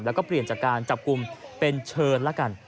แล้วก็เปลี่ยนจากการจับกลุ่มเป็นเชิญแล้วกัน